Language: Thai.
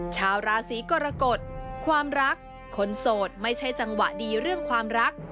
ชาวราศีกรกฎความรักคนโสดไม่ใช่จังหวะดีเรื่องความรัก